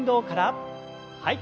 はい。